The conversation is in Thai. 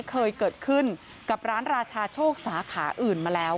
เคยเกิดขึ้นกับร้านราชาโชคสาขาอื่นมาแล้ว